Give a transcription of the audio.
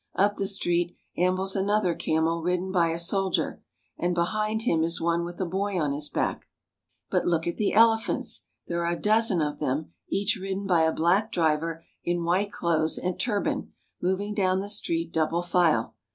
Up the street ambles another camel ridden by a soldier, and behind him is one with a boy on his back. But look at the elephants ! There are a dozen of them, each ridden by a black driver in white clothes and turban, moving down the street double file.